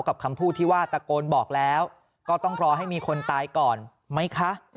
คำพูดที่ว่าตะโกนบอกแล้วก็ต้องรอให้มีคนตายก่อนไหมคะ